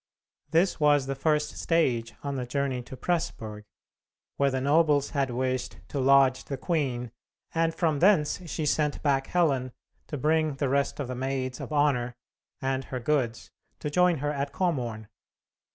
This was the first stage on the journey to Presburg, where the nobles had wished to lodge the queen, and from thence she sent back Helen to bring the rest of the maids of honor and her goods to join her at Komorn.